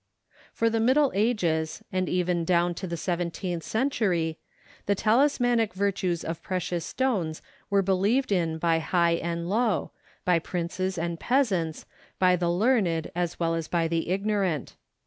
For the Middle Ages and even down to the seventeenth century, the talismanic virtues of precious stones were believed in by high and low, by princes and peasants, by the learned as well as by the ignorant.